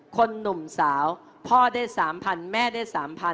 หนุ่มสาวพ่อได้๓๐๐แม่ได้๓๐๐